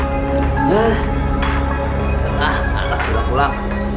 hei setelah alas ulam ulam